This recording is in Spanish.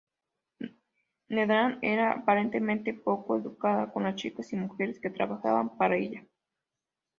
Needham era aparentemente poco educada con las chicas y mujeres que trabajaban para ella.